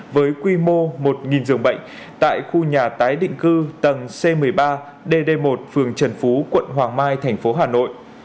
với quy mô một dường bệnh tại khu nhà tái định cư tầng c một mươi ba dd một phường trần phú quận hoàng mai tp hà nội